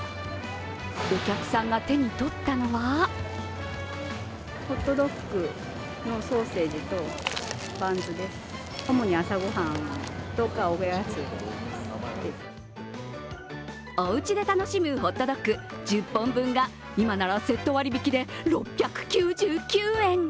お客さんが手にとったのはおうちで楽しむホットドッグ１０本分が今ならセット割引きで６９９円。